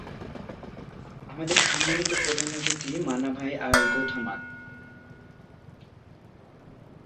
আমাদের সম্মানিত প্রধান অতিথি মানাভাই আর গৌথামান।